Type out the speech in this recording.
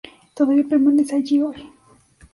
Todavía permanece allí hoy.